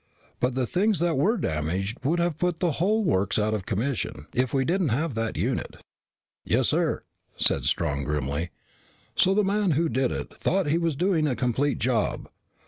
But the things that were damaged would have put the whole works out of commission if we didn't have that unit." "Yes, sir," said Strong grimly. "So the man who did it thought he was doing a complete job."